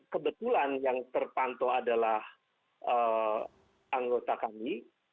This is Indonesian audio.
kebetulan yang terpantau adalah anggota kami